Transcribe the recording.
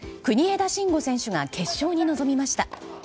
国枝慎吾選手が決勝に臨みました。